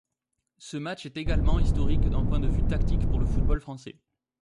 Ce match est également historique d'un point de vue tactique pour le football français.